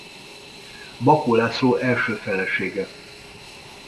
Bakó László első felesége.